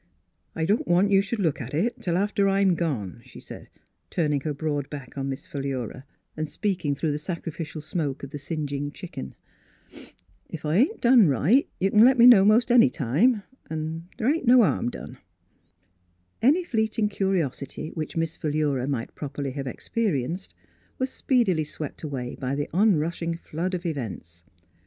" I don't want you should look at it till after I'm gone," she said, turning her broad back on Miss Philura, and speak ing through the sacrificial smoke of the singeing chicken. " Ef I ain't done right, Miss Philura's Wedding Gown you c'n let me know most any time, an' the' ain't no harm done." Any fleeting curiosity which Miss Phi lura might properly have experienced was speedily swept away by the onrushing flood of events.